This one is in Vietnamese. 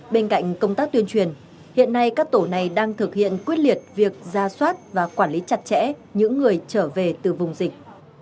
bên cạnh công tác tuyên truyền hiện nay các tổ này đang thực hiện quyết liệt việc ra soát và quản lý chặt chẽ những người trở về từ vùng dịch